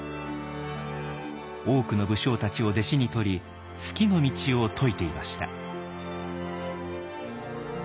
多くの武将たちを弟子にとり数寄の道を説いていました。